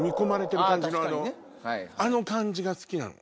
あの感じが好きなの。